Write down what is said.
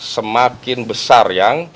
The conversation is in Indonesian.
semakin besar yang